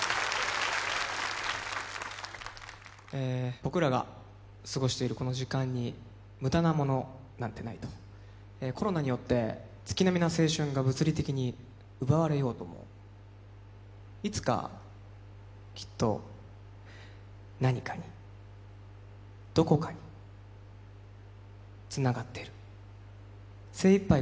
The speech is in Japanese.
僕らが過ごしているこの時間に無駄なものなんてない、コロナによって月並みな青春が物理的に奪われようとも、いつかきっと何かにどこかにつながってる精いっぱい